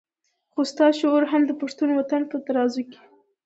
خو ستا شعور هغه د پښتون وطن په ترازو کې.